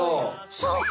そうか！